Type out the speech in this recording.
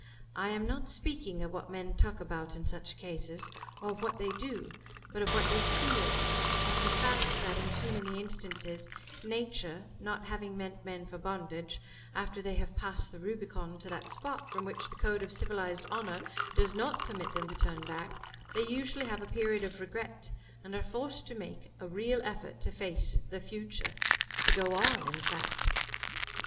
I am not speaking of what men talk about in such cases, or of what they do, but of what they feel, of the fact that, in too many instances, Nature not having meant men for bondage, after they have passed the Rubicon to that spot from which the code of civilized honor does not permit them to turn back, they usually have a period of regret, and are forced to make a real effort to face the Future, to go on, in fact."